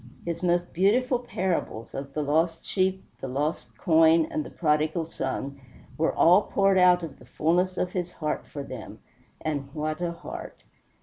His most beautiful parables, of the lost sheep, the lost coin, and the Prodigal Son, were all poured out of the fullness of his heart for them and what a heart!